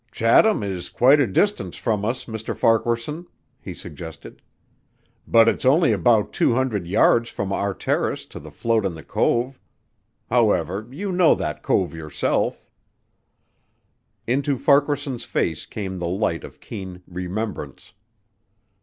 "Chatham is quite a distance from us, Mr. Farquaharson," he suggested, "but it's only about two hundred yards from our terrace to the float in the cove. However, you know that cove yourself." Into Farquaharson's face came the light of keen remembrance.